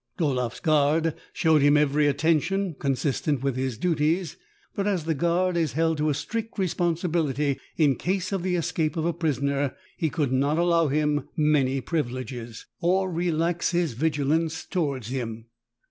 Dolaeff's guard showed him every attention con sistent with his duties, but as the guard is held to a strict responsibility in case of the escape of a prisoner, he could not allow him many privileges 112 THE TALKING HANDKERCHIEF. or relax his vigilance toward him.